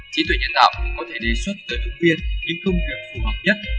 trí tuệ nhân tạo có thể đề xuất tới ứng viên những công việc phù hợp nhất